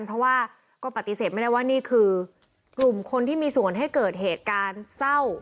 เพราะว่าก็ปฏิเสธไม่ได้ว่านี่คือกลุ่มคนที่มีส่วนให้เกิดเหตุการณ์เศร้า